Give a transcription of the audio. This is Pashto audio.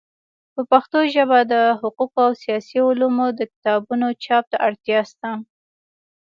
په پښتو ژبه د حقوقو او سیاسي علومو د کتابونو چاپ ته اړتیا سته.